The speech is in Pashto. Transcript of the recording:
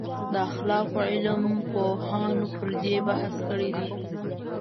د اخلاقو علم پوهانو پر دې بحث کړی دی.